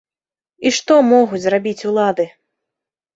І што могуць зрабіць улады?